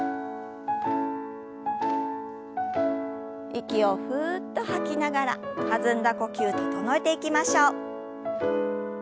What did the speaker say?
息をふっと吐きながら弾んだ呼吸整えていきましょう。